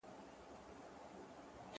چي مو ښارته ده راغلې یوه ښکلې-